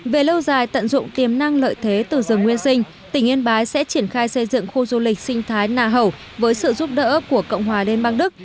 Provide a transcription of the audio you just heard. về lâu dài tận dụng tiềm năng lợi thế từ rừng nguyên sinh tỉnh yên bái sẽ triển khai xây dựng khu du lịch sinh thái nàng hậu với sự giúp đỡ của cộng hòa đên bắc đức